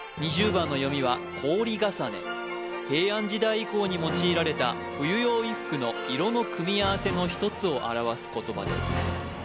２０番の読みはこおりがさね平安時代以降に用いられた冬用衣服の色の組み合わせの一つを表す言葉です